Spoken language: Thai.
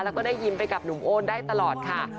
แล้วก็ได้ยิ้มไปกับหนุ่มโอนได้ตลอดค่ะ